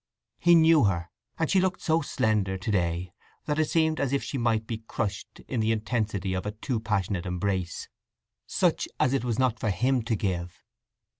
He knew her; and she looked so slender to day that it seemed as if she might be crushed in the intensity of a too passionate embrace—such as it was not for him to give.